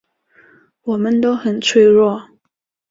我们很脆弱